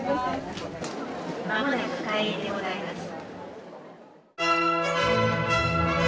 「間もなく開演でございます」。